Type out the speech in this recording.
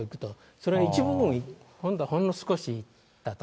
それは一部分、ほんの少しだと。